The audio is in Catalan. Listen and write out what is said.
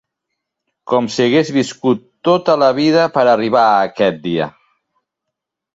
Com si hagués viscut tota la vida per arribar a aquest dia.